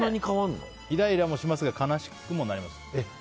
イライラもしますが悲しくもなります。